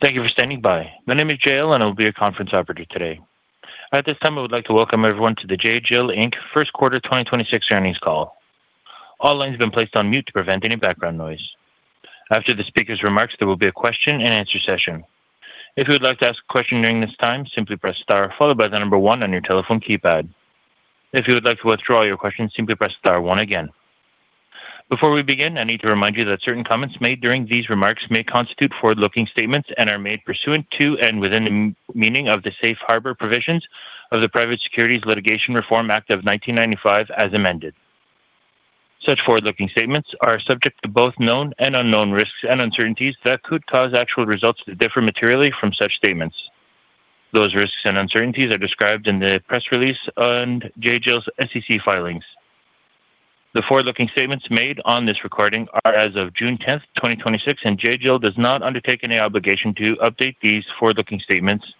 Thank you for standing by. My name is Jael, and I will be your conference operator today. At this time, I would like to welcome everyone to the J.Jill Inc. First Quarter 2026 Earnings Call. All lines have been placed on mute to prevent any background noise. After the speaker's remarks, there will be a question-and-answer session. If you would like to ask a question during this time, simply press star followed by the number one on your telephone keypad. If you would like to withdraw your question, simply press star one again. Before we begin, I need to remind you that certain comments made during these remarks may constitute forward-looking statements and are made pursuant to, and within, the meaning of the safe harbor provisions of the Private Securities Litigation Reform Act of 1995, as amended. Such forward-looking statements are subject to both known and unknown risks and uncertainties that could cause actual results to differ materially from such statements. Those risks and uncertainties are described in the press release and J.Jill's SEC filings. The forward-looking statements made on this recording are as of June 10, 2026, J.Jill does not undertake any obligation to update these forward-looking statements.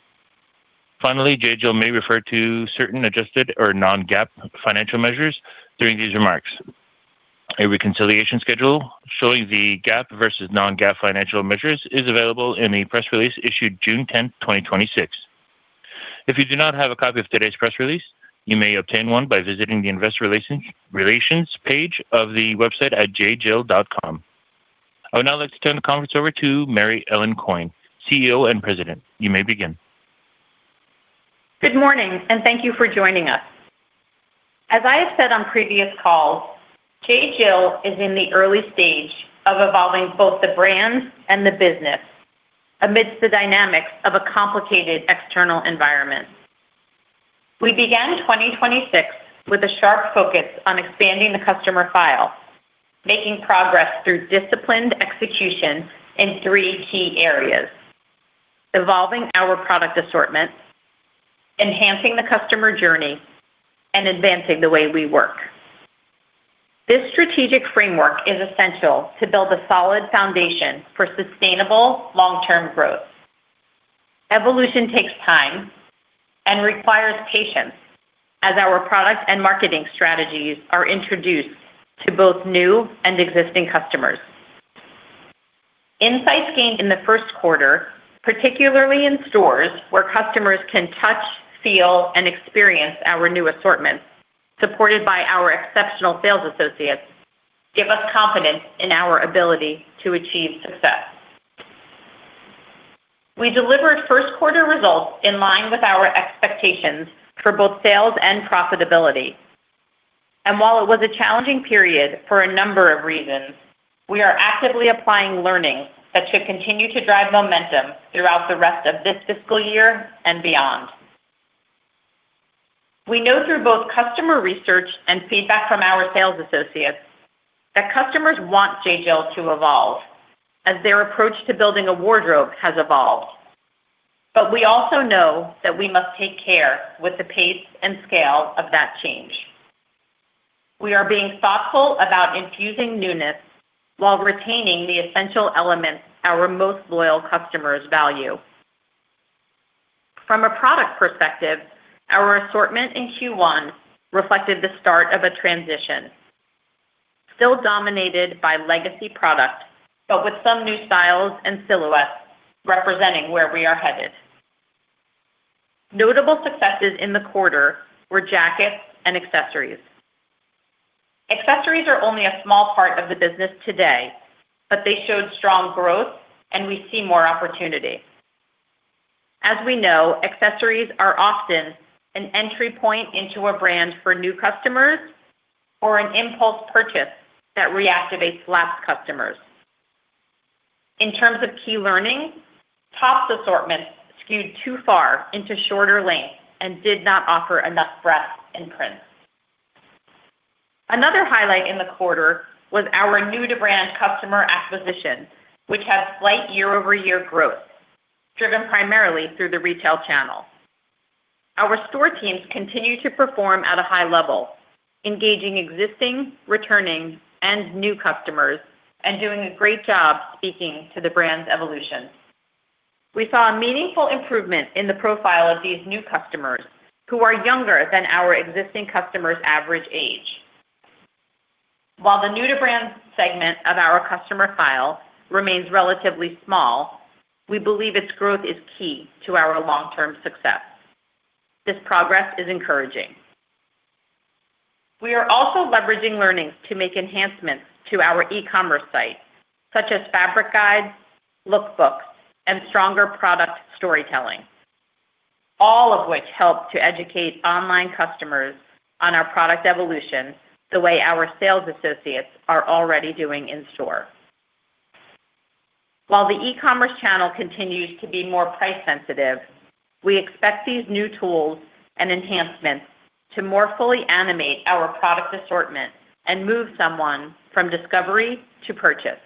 Finally, J.Jill may refer to certain adjusted or non-GAAP financial measures during these remarks. A reconciliation schedule showing the GAAP versus non-GAAP financial measures is available in the press release issued June 10, 2026. If you do not have a copy of today's press release, you may obtain one by visiting the investor relations page of the website at jjill.com. I would now like to turn the conference over to Mary Ellen Coyne, Chief Executive Officer and President. You may begin. Good morning, and thank you for joining us. As I have said on previous calls, J.Jill is in the early stage of evolving both the brand and the business amidst the dynamics of a complicated external environment. We began 2026 with a sharp focus on expanding the customer file, making progress through disciplined execution in three key areas: evolving our product assortment, enhancing the customer journey, and advancing the way we work. This strategic framework is essential to build a solid foundation for sustainable long-term growth. Evolution takes time and requires patience as our product and marketing strategies are introduced to both new and existing customers. Insights gained in the first quarter, particularly in stores where customers can touch, feel, and experience our new assortments, supported by our exceptional sales associates, give us confidence in our ability to achieve success. We delivered first quarter results in line with our expectations for both sales and profitability. While it was a challenging period for a number of reasons, we are actively applying learnings that should continue to drive momentum throughout the rest of this fiscal year and beyond. We know through both customer research and feedback from our sales associates that customers want J.Jill to evolve as their approach to building a wardrobe has evolved. We also know that we must take care with the pace and scale of that change. We are being thoughtful about infusing newness while retaining the essential elements our most loyal customers value. From a product perspective, our assortment in Q1 reflected the start of a transition, still dominated by legacy product, but with some new styles and silhouettes representing where we are headed. Notable successes in the quarter were jackets and accessories. Accessories are only a small part of the business today. They showed strong growth and we see more opportunity. As we know, accessories are often an entry point into a brand for new customers or an impulse purchase that reactivates lapsed customers. In terms of key learnings, tops assortment skewed too far into shorter lengths and did not offer enough breadth in prints. Another highlight in the quarter was our new-to-brand customer acquisition, which had slight year-over-year growth driven primarily through the retail channel. Our store teams continue to perform at a high level, engaging existing, returning, and new customers and doing a great job speaking to the brand's evolution. We saw a meaningful improvement in the profile of these new customers, who are younger than our existing customers' average age. While the new-to-brand segment of our customer file remains relatively small, we believe its growth is key to our long-term success. This progress is encouraging. We are also leveraging learnings to make enhancements to our e-commerce site, such as fabric guides, look book, and stronger product storytelling, all of which help to educate online customers on our product evolution the way our sales associates are already doing in store. While the e-commerce channel continues to be more price sensitive, we expect these new tools and enhancements to more fully animate our product assortment and move someone from discovery to purchase.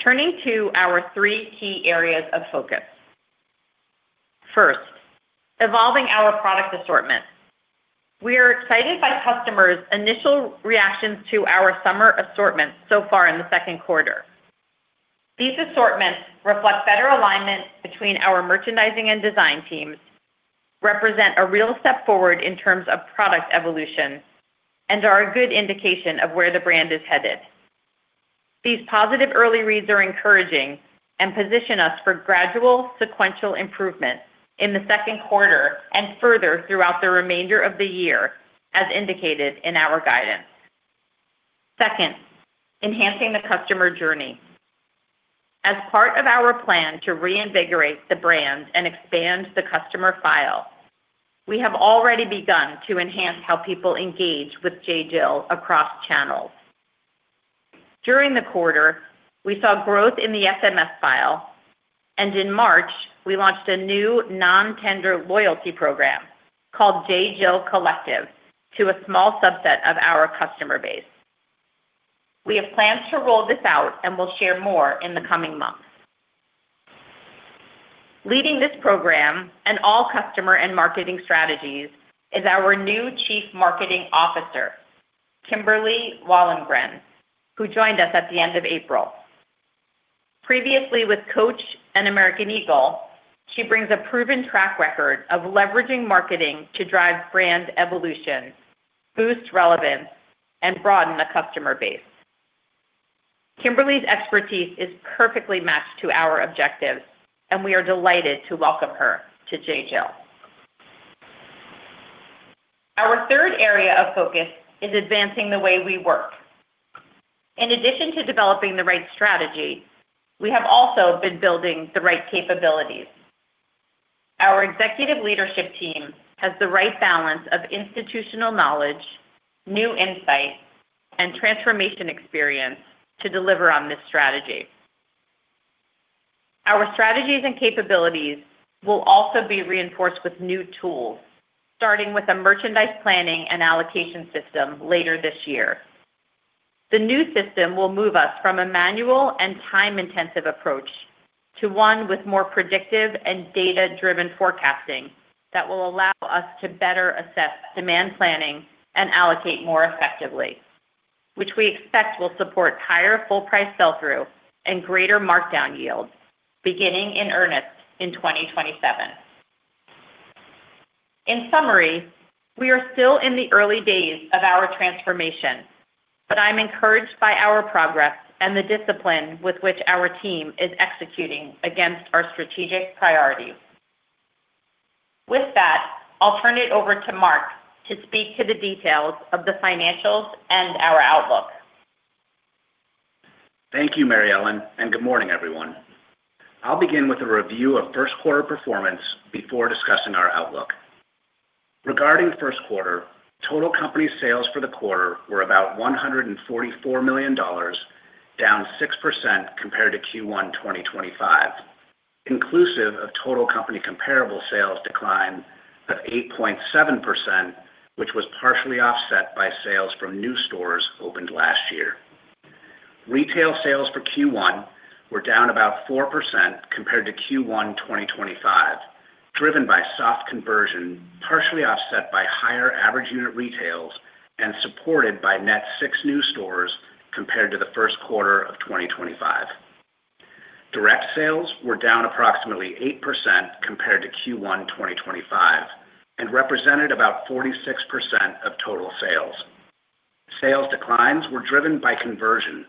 Turning to our three key areas of focus. First, evolving our product assortment. We are excited by customers' initial reactions to our summer assortment so far in the second quarter. These assortments reflect better alignment between our merchandising and design teams. Represent a real step forward in terms of product evolution and are a good indication of where the brand is headed. These positive early reads are encouraging and position us for gradual sequential improvement in the second quarter and further throughout the remainder of the year, as indicated in our guidance. Second, enhancing the customer journey. As part of our plan to reinvigorate the brand and expand the customer file, we have already begun to enhance how people engage with J.Jill across channels. During the quarter, we saw growth in the SMS file. In March, we launched a new non-tender loyalty program called J.Jill Collective to a small subset of our customer base. We have plans to roll this out. We'll share more in the coming months. Leading this program and all customer and marketing strategies is our new Chief Marketing Officer, Kimberly Wallengren, who joined us at the end of April. Previously with Coach and American Eagle, she brings a proven track record of leveraging marketing to drive brand evolution, boost relevance, and broaden the customer base. Kimberly's expertise is perfectly matched to our objectives. We are delighted to welcome her to J.Jill. Our third area of focus is advancing the way we work. In addition to developing the right strategy, we have also been building the right capabilities. Our executive leadership team has the right balance of institutional knowledge, new insight, and transformation experience to deliver on this strategy. Our strategies and capabilities will also be reinforced with new tools, starting with a merchandise planning and allocation system later this year. The new system will move us from a manual and time-intensive approach to one with more predictive and data-driven forecasting that will allow us to better assess demand planning and allocate more effectively, which we expect will support higher full price sell-through and greater markdown yields, beginning in earnest in 2027. In summary, we are still in the early days of our transformation, but I'm encouraged by our progress and the discipline with which our team is executing against our strategic priorities. With that, I'll turn it over to Mark to speak to the details of the financials and our outlook. Thank you, Mary Ellen, and good morning everyone? I'll begin with a review of first quarter performance before discussing our outlook. Regarding first quarter, total company sales for the quarter were about $144 million, down 6% compared to Q1 2025. Inclusive of total company comparable sales decline of 8.7%, which was partially offset by sales from new stores opened last year. Retail sales for Q1 were down about 4% compared to Q1 2025, driven by soft conversion, partially offset by higher average unit retails and supported by net six new stores compared to the first quarter of 2025. Direct sales were down approximately 8% compared to Q1 2025, and represented about 46% of total sales. Sales declines were driven by conversion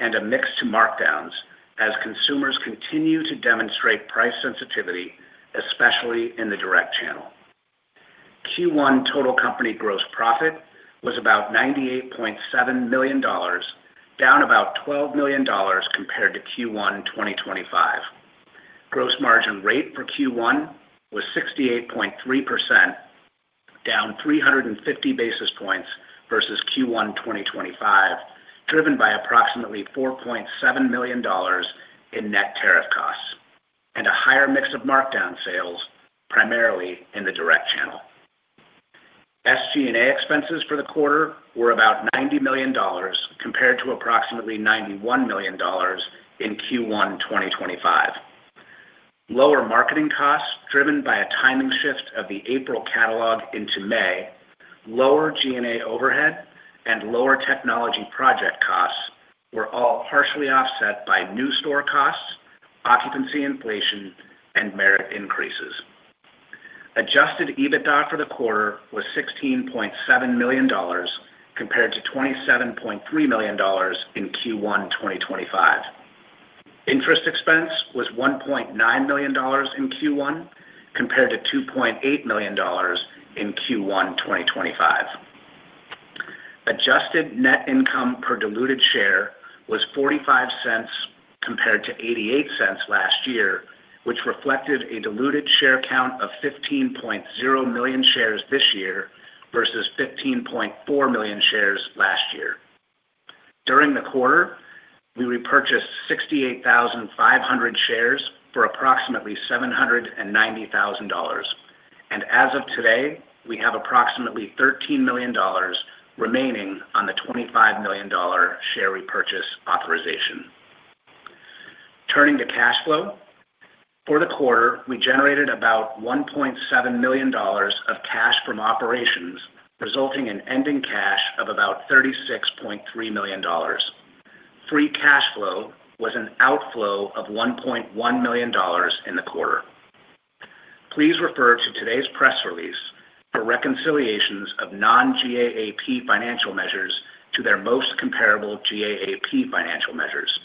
and a mix to markdowns as consumers continue to demonstrate price sensitivity, especially in the direct channel. Q1 total company gross profit was about $98.7 million, down about $12 million compared to Q1 2025. Gross margin rate for Q1 was 68.3%, down 350 basis points versus Q1 2025, driven by approximately $4.7 million in net tariff costs and a higher mix of markdown sales, primarily in the direct channel. SG&A expenses for the quarter were about $90 million compared to approximately $91 million in Q1 2025. Lower marketing costs driven by a timing shift of the April catalog into May, lower G&A overhead, and lower technology project costs were all partially offset by new store costs, occupancy inflation, and merit increases. Adjusted EBITDA for the quarter was $16.7 million, compared to $27.3 million in Q1 2025. Interest expense was $1.9 million in Q1, compared to $2.8 million in Q1 2025. Adjusted net income per diluted share was $0.45 compared to $0.88 last year, which reflected a diluted share count of 15.0 million shares this year versus 15.4 million shares last year. During the quarter, we repurchased 68,500 shares for approximately $790,000. As of today, we have approximately $13 million remaining on the $25 million share repurchase authorization. Turning to cash flow. For the quarter, we generated about $1.7 million from operations, resulting in ending cash of about $36.3 million. Free cash flow was an outflow of $1.1 million in the quarter. Please refer to today's press release for reconciliations of non-GAAP financial measures to their most comparable GAAP financial measures.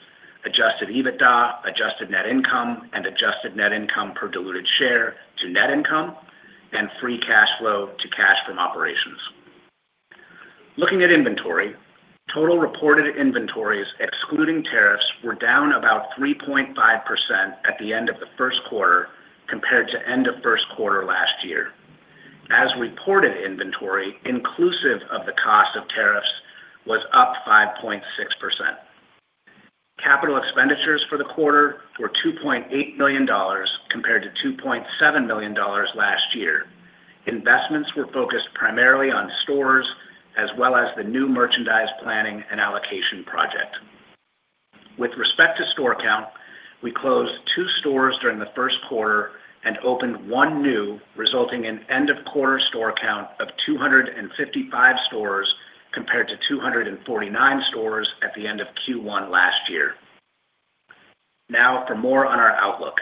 Adjusted EBITDA, adjusted net income, and adjusted net income per diluted share to net income, and free cash flow to cash from operations. Looking at inventory, total reported inventories excluding tariffs were down about 3.5% at the end of the first quarter compared to end of first quarter last year. As reported inventory, inclusive of the cost of tariffs, was up 5.6%. Capital expenditures for the quarter were $2.8 million compared to $2.7 million last year. Investments were focused primarily on stores, as well as the new merchandise planning and allocation project. With respect to store count, we closed two stores during the first quarter and opened one new, resulting in end of quarter store count of 255 stores compared to 249 stores at the end of Q1 last year. For more on our outlook.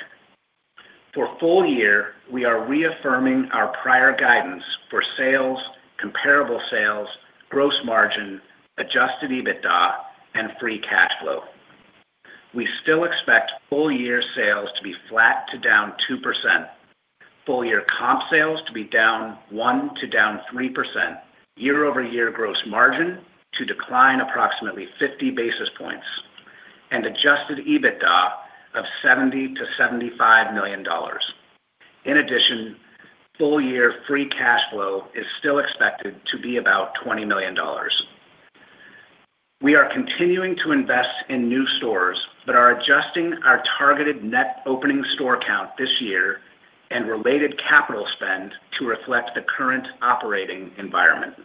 For full year, we are reaffirming our prior guidance for sales, comparable sales, gross margin, adjusted EBITDA, and free cash flow. We still expect full year sales to be flat to down 2%, full year comp sales to be down 1% to down 3%, year-over-year gross margin to decline approximately 50 basis points, and adjusted EBITDA of $70 million to $75 million. In addition, full year free cash flow is still expected to be about $20 million. We are continuing to invest in new stores but are adjusting our targeted net opening store count this year and related capital spend to reflect the current operating environment.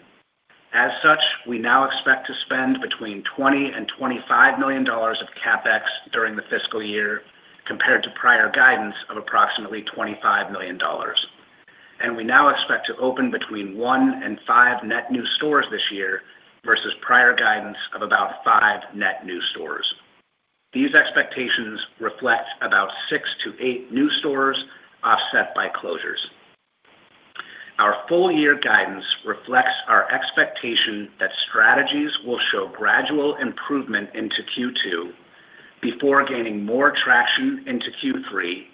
As such, we now expect to spend between $20 million and $25 million of CapEx during the fiscal year compared to prior guidance of approximately $25 million. We now expect to open between one and five net new stores this year versus prior guidance of about five net new stores. These expectations reflect about six to eight new stores offset by closures. Our full year guidance reflects our expectation that strategies will show gradual improvement into Q2 before gaining more traction into Q3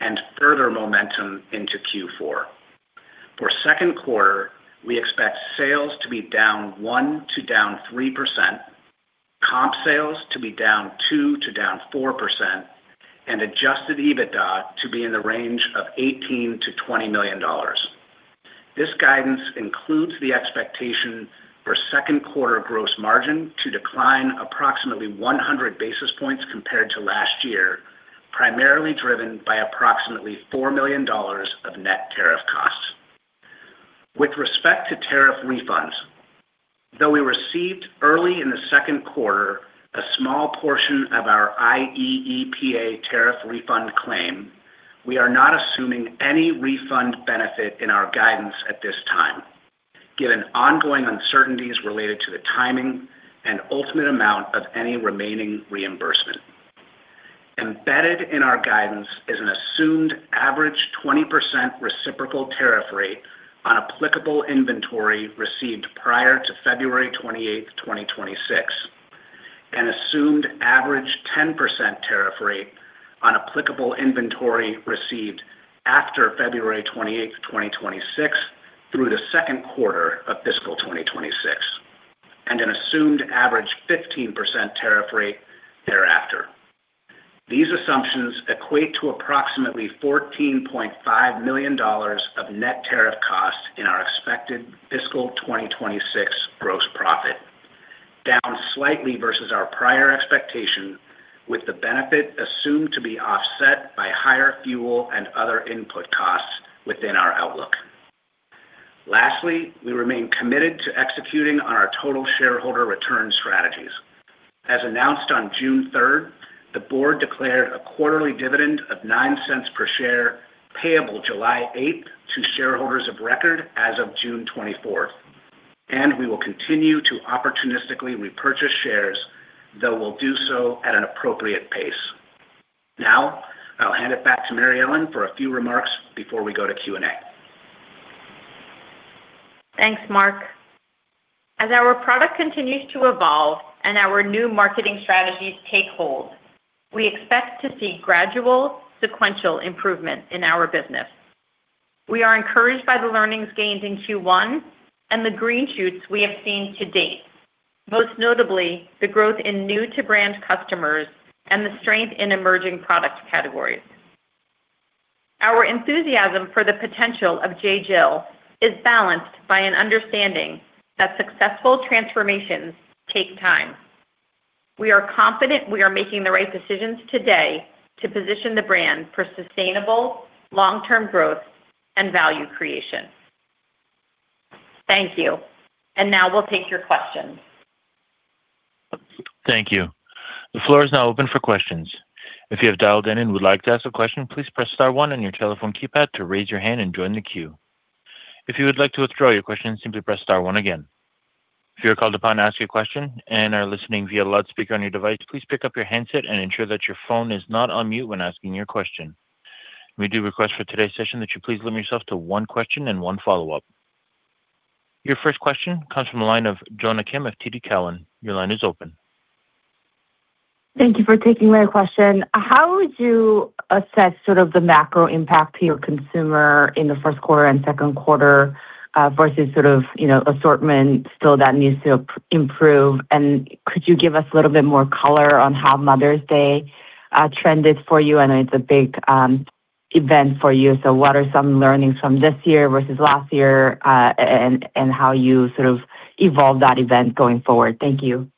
and further momentum into Q4. For second quarter, we expect sales to be down 1% to down 3%, comp sales to be down 2% to down 4%, and adjusted EBITDA to be in the range of $18 million-$20 million. This guidance includes the expectation for second quarter gross margin to decline approximately 100 basis points compared to last year, primarily driven by approximately $4 million of net tariff costs. With respect to tariff refunds, though we received early in the second quarter a small portion of our IEEPA tariff refund claim, we are not assuming any refund benefit in our guidance at this time, given ongoing uncertainties related to the timing and ultimate amount of any remaining reimbursement. Embedded in our guidance is an assumed average 20% reciprocal tariff rate on applicable inventory received prior to February 28, 2026, an assumed average 10% tariff rate on applicable inventory received after February 28, 2026 through the second quarter of fiscal 2026, and an assumed average 15% tariff rate thereafter. These assumptions equate to approximately $14.5 million of net tariff costs in our expected fiscal 2026 gross profit, down slightly versus our prior expectation with the benefit assumed to be offset by higher fuel and other input costs within our outlook. Lastly, we remain committed to executing on our total shareholder return strategies. As announced on June 3, the Board declared a quarterly dividend of $0.09 per share payable July 8 to shareholders of record as of June 24. We'll continue to opportunistically repurchase shares, though we'll do so at an appropriate pace. I'll hand it back to Mary Ellen for a few remarks before we go to Q&A. Thanks, Mark. As our product continues to evolve and our new marketing strategies take hold, we expect to see gradual sequential improvement in our business. We are encouraged by the learnings gained in Q1 and the green shoots we have seen to date, most notably the growth in new-to-brand customers and the strength in emerging product categories. Our enthusiasm for the potential of J.Jill is balanced by an understanding that successful transformations take time. We are confident we are making the right decisions today to position the brand for sustainable long-term growth and value creation. Thank you. Now we'll take your questions. Thank you. The floor is now open for questions. If you have dialed in and would like to ask a question, please press star one on your telephone keypad to raise your hand and join the queue. If you would like to withdraw your question, simply press star one again. If you're called upon to ask a question and are listening via loudspeaker on your device, please pick up your handset and ensure that your phone is not on mute when asking your question. We do request for today's session that you please limit yourself to one question and one follow-up. Your first question comes from the line of Jonna Kim of TD Cowen, your line is open. Thank you for taking my question. How would you assess sort of the macro impact to your consumer in the first quarter and second quarter, versus assortment still that needs to improve? Could you give us a little bit more color on how Mother's Day trended for you? I know it's a big event for you. What are some learnings from this year versus last year, and how you sort of evolve that event going forward? Thank you.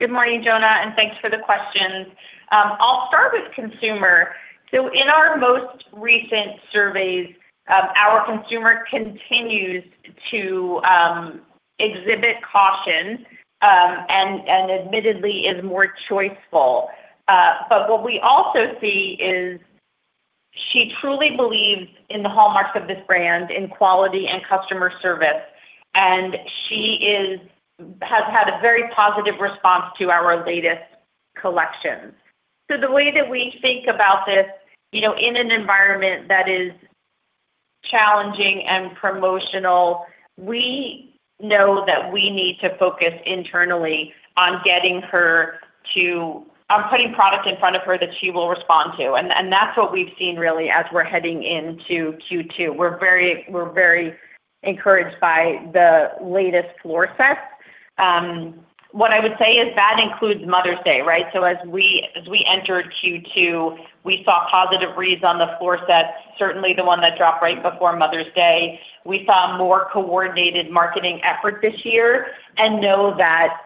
Good morning, Jonna, and thanks for the questions. I'll start with consumer. In our most recent surveys, our consumer continues to exhibit caution, and admittedly is more choiceful. What we also see is she truly believes in the hallmarks of this brand, in quality and customer service, and she has had a very positive response to our latest collections. The way that we think about this, in an environment that is challenging and promotional, we know that we need to focus internally on putting product in front of her that she will respond to. That's what we've seen really as we're heading into Q2. We're very encouraged by the latest floor sets. What I would say is that includes Mother's Day, right? As we entered Q2, we saw positive reads on the floor sets, certainly the one that dropped right before Mother's Day. We saw more coordinated marketing effort this year, know that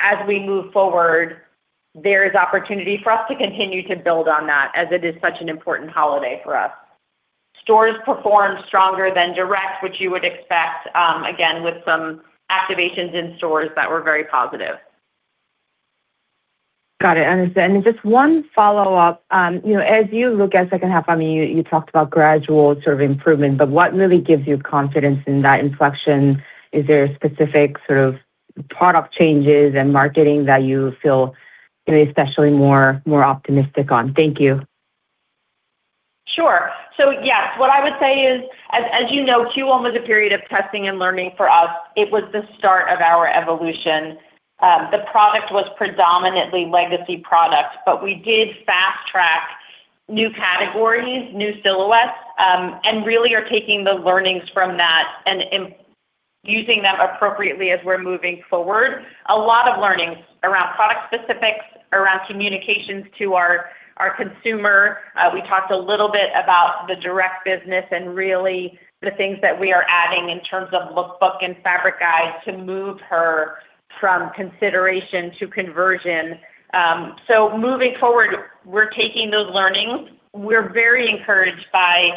as we move forward, there is opportunity for us to continue to build on that, as it is such an important holiday for us. Stores performed stronger than direct, which you would expect, again, with some activations in stores that were very positive. Got it. Understood. Just one follow-up. As you look at second half, you talked about gradual sort of improvement, what really gives you confidence in that inflection? Is there specific sort of product changes and marketing that you feel especially more optimistic on? Thank you. Sure. Yes, what I would say is, as you know, Q1 was a period of testing and learning for us. It was the start of our evolution. The product was predominantly legacy product, we did fast track new categories, new silhouettes, really are taking the learnings from that and using them appropriately as we're moving forward. A lot of learnings around product specifics, around communications to our consumer. We talked a little bit about the direct business really the things that we are adding in terms of look book and fabric guides to move her from consideration to conversion. Moving forward, we're taking those learnings. We're very encouraged by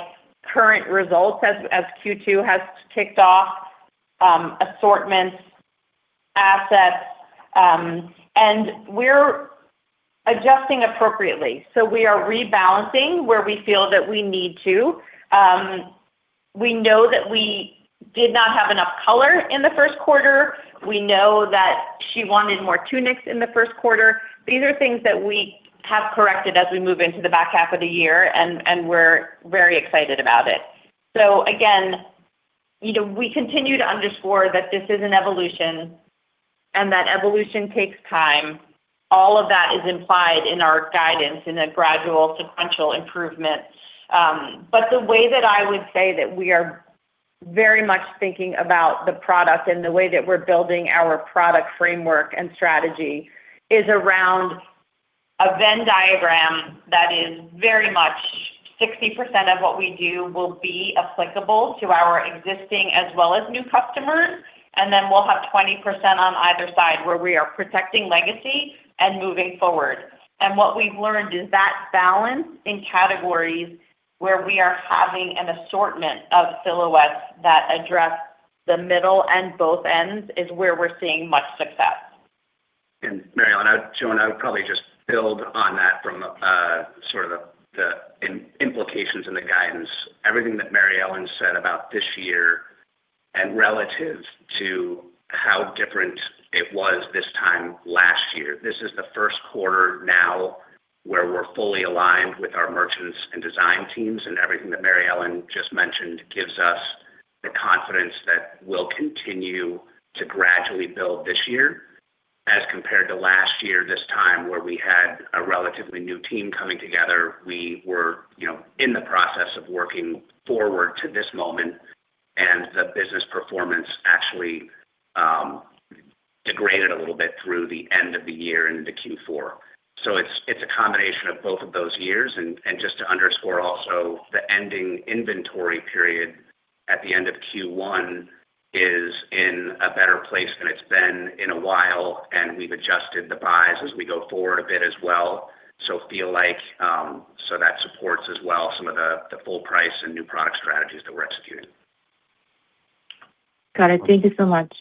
current results as Q2 has kicked off, assortments, assets, we're adjusting appropriately. We are rebalancing where we feel that we need to. We know that we did not have enough color in the first quarter. We know that she wanted more tunics in the first quarter. These are things that we have corrected as we move into the back half of the year, and we're very excited about it. Again, we continue to underscore that this is an evolution, and that evolution takes time. All of that is implied in our guidance in a gradual, sequential improvement. The way that I would say that we are very much thinking about the product and the way that we're building our product framework and strategy is around a Venn diagram that is very much 60% of what we do will be applicable to our existing as well as new customers. Then we'll have 20% on either side where we are protecting legacy and moving forward. What we've learned is that balance in categories where we are having an assortment of silhouettes that address the middle and both ends is where we're seeing much success. Mary Ellen, Jonna, I would probably just build on that from the sort of the implications and the guidance. Everything that Mary Ellen said about this year and relative to how different it was this time last year. This is the first quarter now where we're fully aligned with our merchants and design teams, and everything that Mary Ellen just mentioned gives us the confidence that we'll continue to gradually build this year. As compared to last year, this time where we had a relatively new team coming together. We were in the process of working forward to this moment, and the business performance actually degraded a little bit through the end of the year into Q4. It's a combination of both of those years, and just to underscore also, the ending inventory period at the end of Q1 is in a better place than it's been in a while. And we've adjusted the buys as we go forward a bit as well. That supports as well some of the full price and new product strategies that we're executing. Got it. Thank you so much.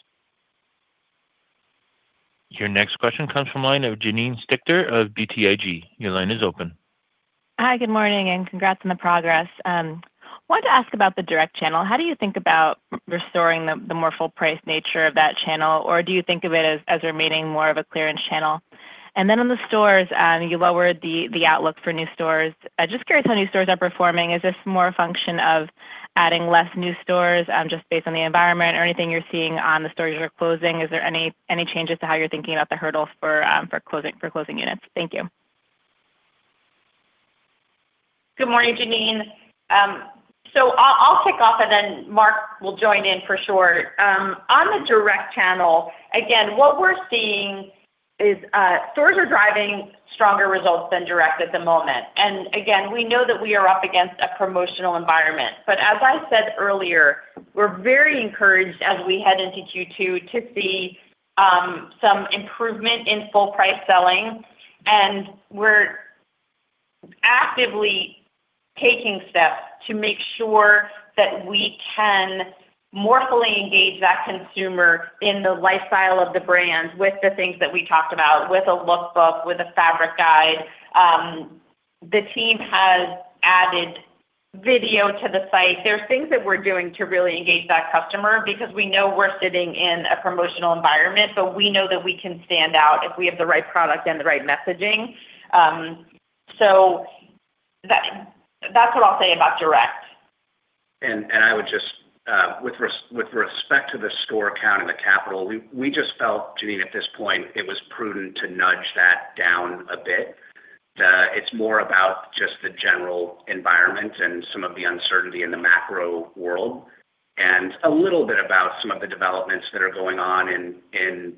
Your next question comes from the line of Janine Stichter of BTIG, your line is open. Hi, good morning? Congrats on the progress. Wanted to ask about the direct channel. How do you think about restoring the more full price nature of that channel, or do you think of it as remaining more of a clearance channel? On the stores, you lowered the outlook for new stores. Just curious how new stores are performing. Is this more a function of adding less new stores just based on the environment or anything you're seeing on the stores you're closing? Is there any changes to how you're thinking about the hurdles for closing units? Thank you. Good morning, Janine. I'll kick off. Mark will join in for sure. On the direct channel, again, what we're seeing is stores are driving stronger results than direct at the moment. Again, we know that we are up against a promotional environment. As I said earlier, we're very encouraged as we head into Q2 to see some improvement in full price selling. We're actively taking steps to make sure that we can more fully engage that consumer in the lifestyle of the brand with the things that we talked about, with a look book, with a fabric guide. The team has added video to the site. There are things that we're doing to really engage that customer because we know we're sitting in a promotional environment, but we know that we can stand out if we have the right product and the right messaging. That's what I'll say about direct. I would just, with respect to the store count and the capital, we just felt, Janine, at this point, it was prudent to nudge that down a bit. It's more about just the general environment and some of the uncertainty in the macro world and a little bit about some of the developments that are going on in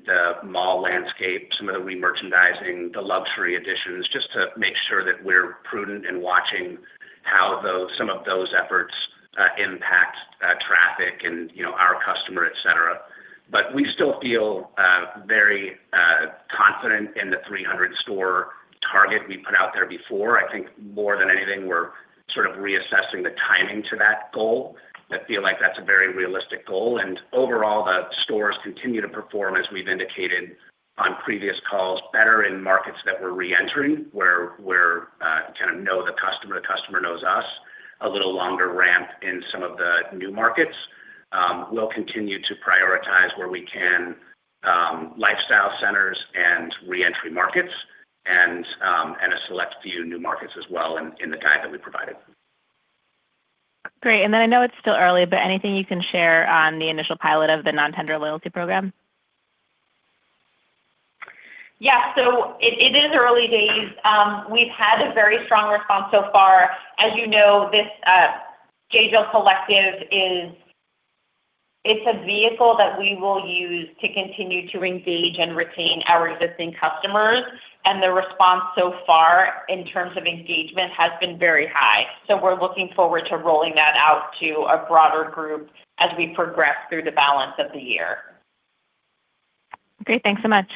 the mall landscape, some of the re-merchandising, the luxury additions, just to make sure that we're prudent and watching how some of those efforts impact traffic and our customer, et cetera. We still feel very confident in the 300 store target we put out there before. I think more than anything, we're sort of reassessing the timing to that goal, feel like that's a very realistic goal. Overall, the stores continue to perform as we've indicated on previous calls, better in markets that we're re-entering, where we kind of know the customer, the customer knows us. A little longer ramp in some of the new markets. We'll continue to prioritize where we can, lifestyle centers and re-entry markets and a select few new markets as well in the guide that we provided. Great. I know it's still early, anything you can share on the initial pilot of the non-tender loyalty program? It is early days. We've had a very strong response so far. As you know, this J.Jill Collective is a vehicle that we will use to continue to engage and retain our existing customers, the response so far in terms of engagement has been very high. We're looking forward to rolling that out to a broader group as we progress through the balance of the year. Great. Thanks so much.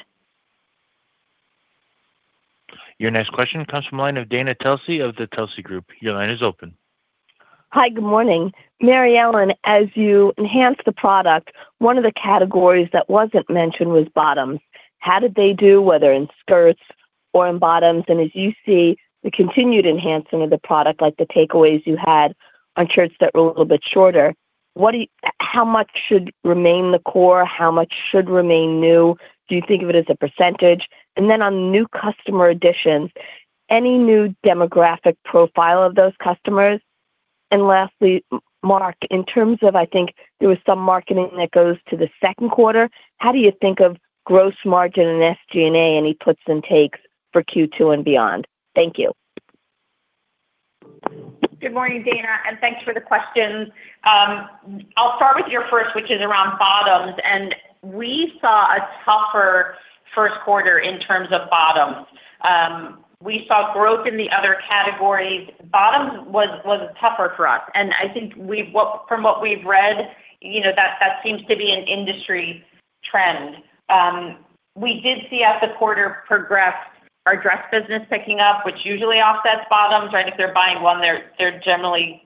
Your next question comes from the line of Dana Telsey of Telsey Group, your line is open. Hi, good morning? Mary Ellen, as you enhance the product, one of the categories that wasn't mentioned was bottoms. How did they do, whether in skirts or in bottoms? As you see the continued enhancement of the product, like the takeaways you had on shirts that were a little bit shorter, how much should remain the core? How much should remain new? Do you think of it as a percentage? On new customer additions, any new demographic profile of those customers? Lastly, Mark, in terms of, I think there was some marketing that goes to the second quarter, how do you think of gross margin and SG&A any puts and takes for Q2 and beyond? Thank you. Good morning, Dana, thanks for the questions. I'll start with your first, which is around bottoms. We saw a tougher first quarter in terms of bottoms. We saw growth in the other categories. Bottoms was tougher for us. I think from what we've read, that seems to be an industry trend. We did see as the quarter progressed, our dress business picking up, which usually offsets bottoms, right? If they're buying one, they generally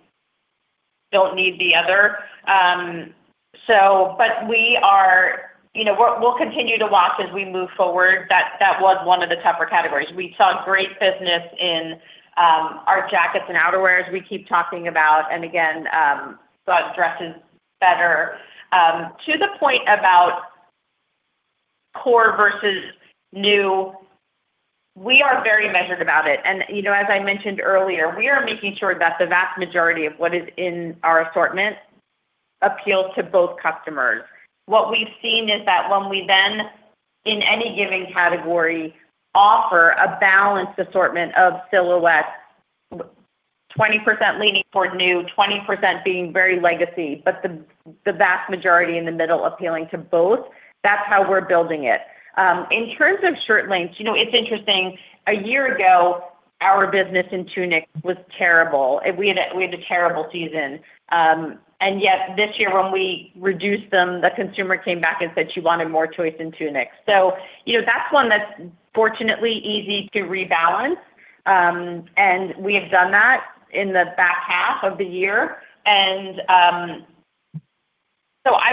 don't need the other. We'll continue to watch as we move forward. That was one of the tougher categories. We saw great business in our jackets and outerwear, as we keep talking about. Again, saw dresses better. To the point about core versus new, we are very measured about it. As I mentioned earlier, we are making sure that the vast majority of what is in our assortment appeals to both customers. What we've seen is that when we then, in any given category, offer a balanced assortment of silhouettes, 20% leaning toward new, 20% being very legacy, but the vast majority in the middle appealing to both, that's how we're building it. In terms of shirt lengths, it's interesting. A year ago, our business in tunics was terrible. We had a terrible season. Yet this year, when we reduced them, the consumer came back and said she wanted more choice in tunics. That's one that's fortunately easy to rebalance. We have done that in the back half of the year. I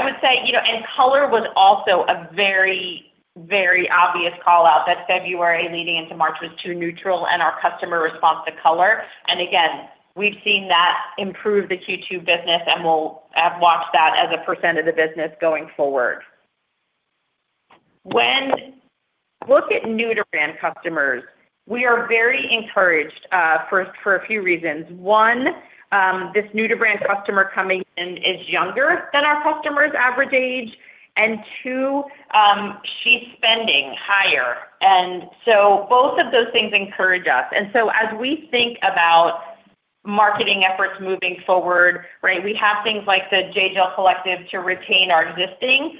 would say, color was also a very obvious call-out, that February leading into March was too neutral, and our customer responds to color. Again, we've seen that improve the Q2 business. We'll watch that as a percent of the business going forward. When we look at new-to-brand customers, we are very encouraged for a few reasons. One, this new-to-brand customer coming in is younger than our customers' average age. Two, she's spending higher. Both of those things encourage us. As we think about marketing efforts moving forward, we have things like the J.Jill Collective to retain our existing.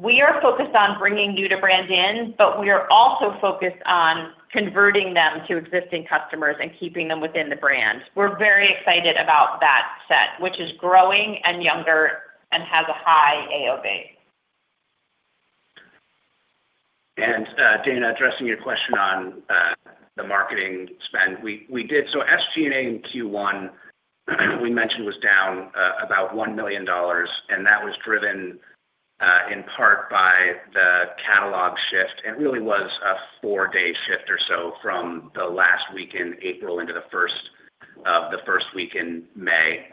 We are focused on bringing new-to-brand in, but we are also focused on converting them to existing customers and keeping them within the brand. We're very excited about that set, which is growing and younger and has a high AOV. Dana, addressing your question on the marketing spend, we did. SG&A in Q1, we mentioned, was down about $1 million. That was driven in part by the catalog shift, really was a four-day shift or so from the last week in April into the first week in May.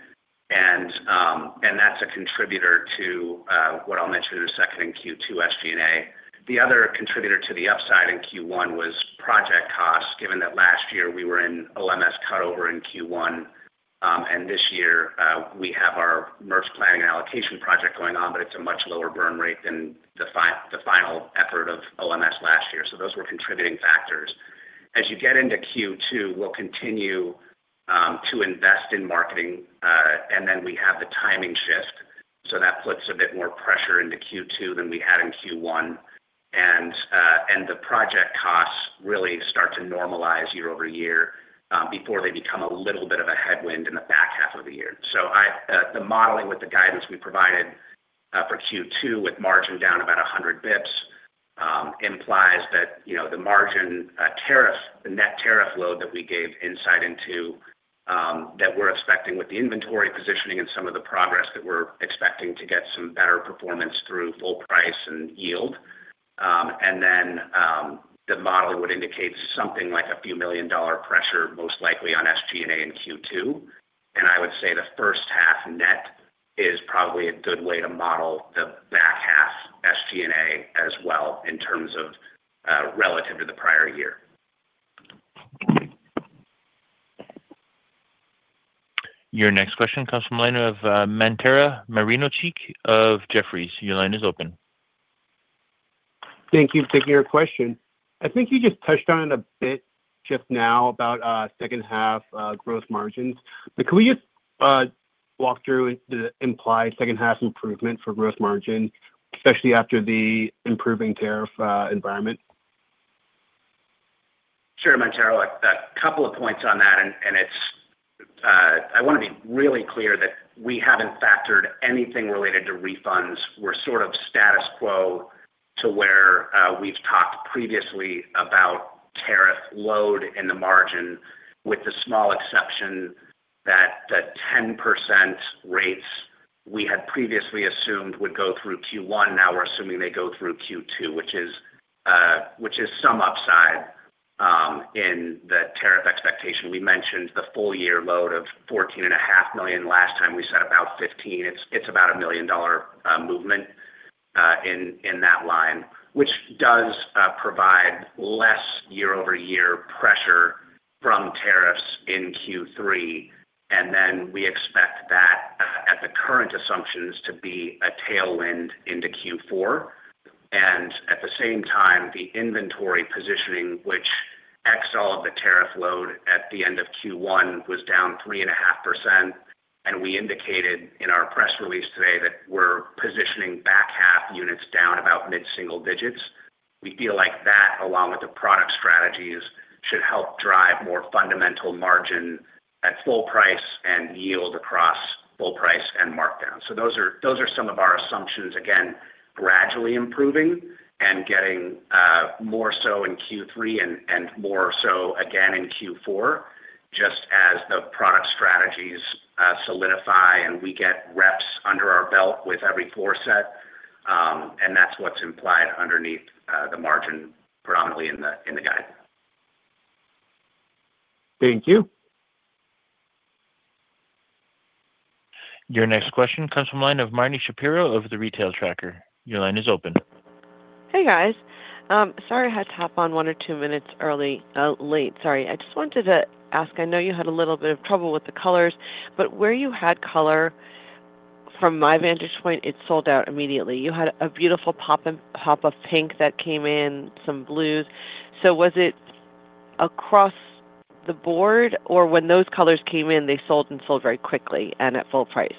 That's a contributor to what I'll mention in a second in Q2 SG&A. The other contributor to the upside in Q1 was project costs, given that last year we were in OMS cut-over in Q1. This year, we have our merch planning and allocation project going on, but it's a much lower burn rate than the final effort of OMS last year. Those were contributing factors. As you get into Q2, we'll continue to invest in marketing. Then we have the timing shift, that puts a bit more pressure into Q2 than we had in Q1. The project costs really start to normalize year-over-year before they become a little bit of a headwind in the back half of the year. The modeling with the guidance we provided for Q2 with margin down about 100 basis points implies that the margin tariff, the net tariff load that we gave insight into, that we are expecting with the inventory positioning and some of the progress that we are expecting to get some better performance through full price and yield. The model would indicate something like a few million dollar pressure, most likely on SG&A in Q2. I would say the first half net is probably a good way to model the back half SG&A as well in terms of relative to the prior year. Your next question comes from the line of Mantero Moreno-Cheek of Jefferies, your line is open. Thank you. Thank you for your question. I think you just touched on it a bit, just now about second half gross margins. Could we just walk through the implied second half improvement for gross margin, especially after the improving tariff environment? Sure, Mantero. A couple of points on that. I want to be really clear that we haven't factored anything related to refunds. We're sort of status quo to where we've talked previously about tariff load in the margin, with the small exception that the 10% rates we had previously assumed would go through Q1, now we're assuming they go through Q2, which is some upside in the tariff expectation. We mentioned the full year load of $14.5 million. Last time we said about $15 million. It's about a $1 million movement in that line, which does provide less year-over-year pressure from tariffs in Q3. Then we expect that at the current assumptions to be a tailwind into Q4. At the same time, the inventory positioning, which ex all of the tariff load at the end of Q1, was down 3.5%. We indicated in our press release today that we're positioning back half units down about mid-single digits. We feel like that, along with the product strategies, should help drive more fundamental margin at full price and yield across full price and markdown. Those are some of our assumptions, again, gradually improving and getting more so in Q3 and more so again in Q4, just as the product strategies solidify, and we get reps under our belt with every four set. That's what's implied underneath the margin predominantly in the guide. Thank you. Your next question comes from line of Marni Shapiro of The Retail Tracker, your line is open. Hey guys? Sorry I had to hop on one or two minutes late. Sorry. I just wanted to ask, I know you had a little bit of trouble with the colors, but where you had color, from my vantage point, it sold out immediately. You had a beautiful pop of pink that came in, some blues. Was it across the board, or when those colors came in, they sold very quickly and at full price?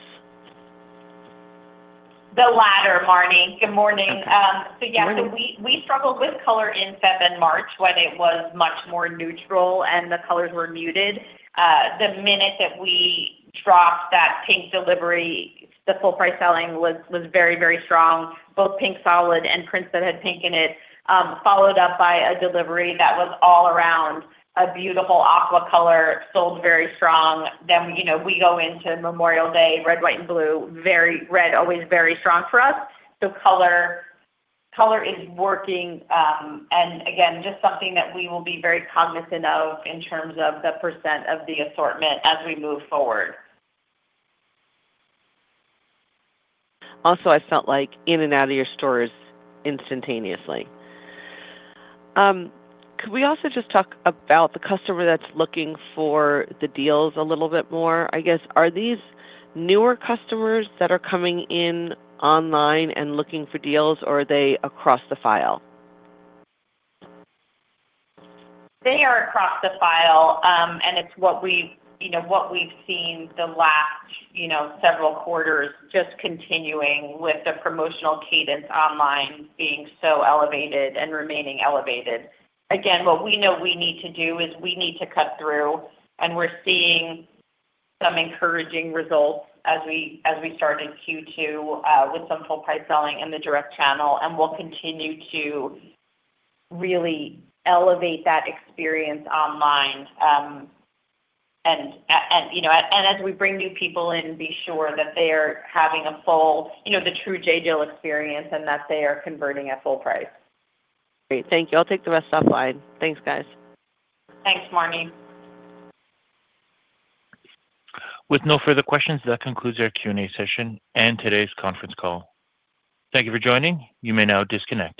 The latter, Marni. Good morning? Okay. Good morning. Yeah, we struggled with color in February and March when it was much more neutral, and the colors were muted. The minute that we dropped that pink delivery, the full price selling was very strong. Both pink solid and prints that had pink in it, followed up by a delivery that was all around a beautiful aqua color, sold very strong. We go into Memorial Day, red, white, and blue. Red always very strong for us. Color is working, and again, just something that we will be very cognizant of in terms of the percent of the assortment as we move forward. I felt like in and out of your stores instantaneously. Could we also just talk about the customer that's looking for the deals a little bit more? I guess, are these newer customers that are coming in online and looking for deals, or are they across the file? They are across the file. It's what we've seen the last several quarters, just continuing with the promotional cadence online being so elevated and remaining elevated. Again, what we know we need to do is we need to cut through, and we're seeing some encouraging results as we start in Q2 with some full price selling in the direct channel. We'll continue to really elevate that experience online. As we bring new people in, be sure that they are having the true J.Jill experience and that they are converting at full price. Great. Thank you. I'll take the rest offline. Thanks, guys. Thanks, Marni. With no further questions, that concludes our Q&A session and today's conference call. Thank you for joining, you may now disconnect.